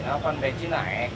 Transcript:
nah ini akan bencin naik